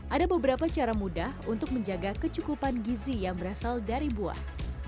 ada beberapa cara mudah untuk menjaga kecukupan gizi yang berasal dari buah